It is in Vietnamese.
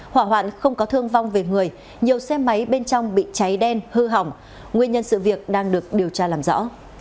hỏa hoạn không có thương vong về người nhiều xe máy bên trong bị cháy đen hư hỏng nguyên nhân sự việc đang được điều tra làm rõ